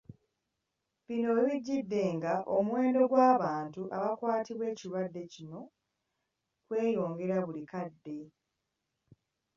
Bino we bijjidde ng'omuwendo gw’abantu abakwatibwa ekirwadde kino gweyongera buli kadde.